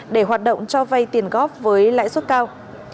để hoạt động cho vay tiền góp với lãi suất cao